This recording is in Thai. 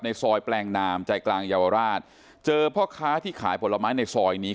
ซอยแปลงนามใจกลางเยาวราชเจอพ่อค้าที่ขายผลไม้ในซอยนี้